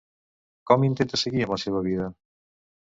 Com intenta seguir amb la seva vida?